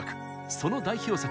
その代表作